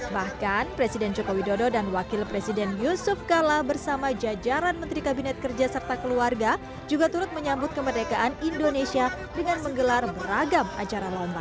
bahkan presiden joko widodo dan wakil presiden yusuf kala bersama jajaran menteri kabinet kerja serta keluarga juga turut menyambut kemerdekaan indonesia dengan menggelar beragam acara lomba